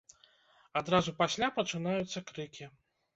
Адразу пасля пачынаюцца крыкі.